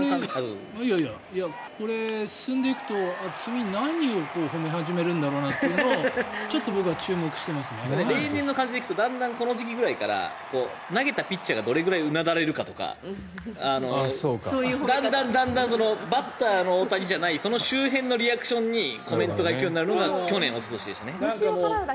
これ、進んでいくと次、何を褒め始めるのかなって例年の感じでいくとだんだんこの時期ぐらいから投げたピッチャーがどれぐらいうな垂れるかとかだんだんバッターの大谷じゃないその周辺のリアクションにコメントが行くようになるのが去年、おととしでしたね。